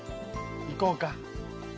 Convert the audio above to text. いこうか。